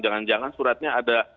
jangan jangan suratnya ada